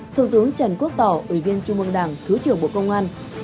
thủ tướng trần quốc tỏ ủy viên chung mương đảng thứ trưởng bộ công an